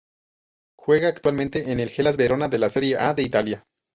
Juega actualmente en el Hellas Verona de la Serie A de Italia.